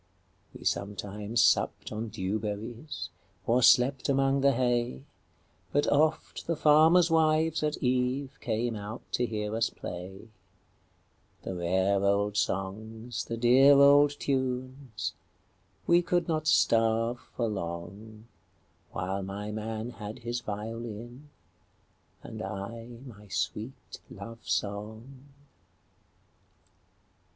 We sometimes supped on dew berries, Or slept among the hay, But oft the farmers' wives at eveCame out to hear us play; The rare old songs, the dear old tunes,—We could not starve for longWhile my man had his violin, And I my sweet love song.